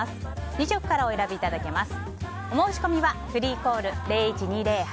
２色からお選びいただけます。